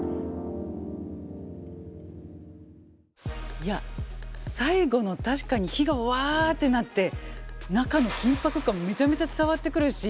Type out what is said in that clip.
いや最後の確かに火がわってなって中の緊迫感めちゃめちゃ伝わってくるし。